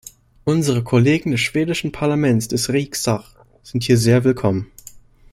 Unsere Kollegen des schwedischen Parlaments, des Riksdag, sind hier sehr willkommen.